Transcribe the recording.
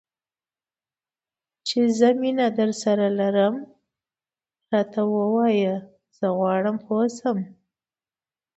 چې زه مینه درسره لرم؟ راته ووایه، زه غواړم پوه شم.